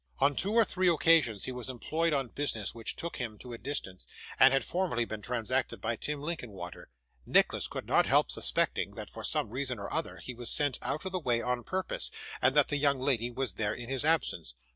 On two or three occasions he was employed on business which took him to a distance, and had formerly been transacted by Tim Linkinwater. Nicholas could not help suspecting that, for some reason or other, he was sent out of the way on purpose, and that the young lady was there in his absence.